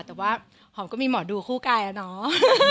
แต่ว่าหอมก็มีหมอดูคู่กายแล้วเนาะ